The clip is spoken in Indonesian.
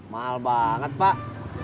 mahal banget pak